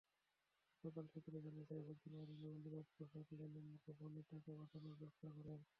হাসপাতাল সূত্র জানায়, সাইফুদ্দিন ওয়ারীর নবেন্দ্রনাথ বসাক লেনে মুঠোফোনে টাকা পাঠানোর ব্যবসা করেন।